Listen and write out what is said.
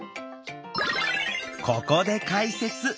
ここで解説！